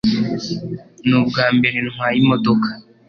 Ni ubwambere ntwaye imodoka.